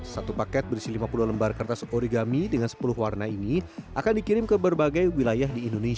satu paket berisi lima puluh lembar kertas origami dengan sepuluh wajah